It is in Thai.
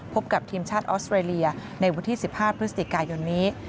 พบกับทีมชาติออสเตรเลียในวันที่๑๕พฤศจิกายนนี้